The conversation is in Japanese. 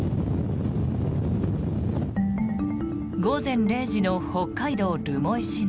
午前０時の北海道留萌市内。